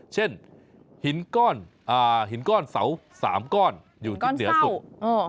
เช่นหินก้อนเสา๓ก้อนอยู่ที่เหนือศพ